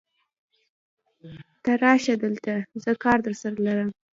ته راشه دلته، زه کار درسره لرم.